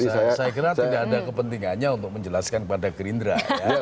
saya kira tidak ada kepentingannya untuk menjelaskan kepada gerindra